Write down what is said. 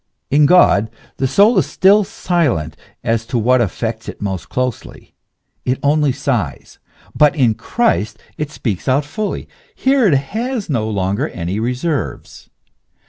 In God the soul is still silent as to what affects it most closely, it only sighs ; hut in Christ it speaks out fully ; here it has no longer any reserves.